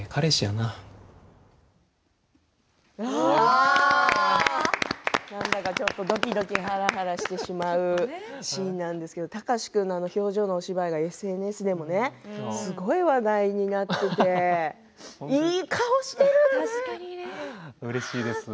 なんだか、ちょっとどきどきはらはらしてしまうシーンなんですけど貴司君のあの表情のお芝居がＳＮＳでもすごく話題になっていていい顔してるんですよね。